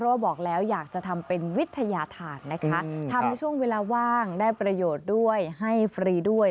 เพราะว่าบอกแล้วอยากจะทำเป็นวิทยาธารนะคะทำในช่วงเวลาว่างได้ประโยชน์ด้วยให้ฟรีด้วย